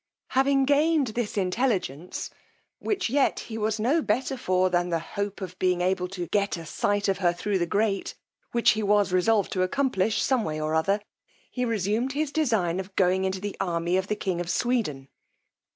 Having gained this intelligence, which yet he was no better for than the hope of being able to get a sight of her thro' the grate, which he was resolved to accomplish some way or other, he resumed his design of going into the army of the king of Sweden.